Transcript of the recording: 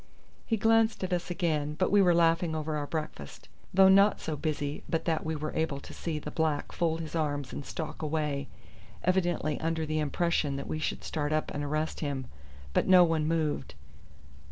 He glanced at us again, but we were laughing over our breakfast, though not so busy but that we were able to see the black fold his arms and stalk away, evidently under the impression that we should start up and arrest him; but no one moved.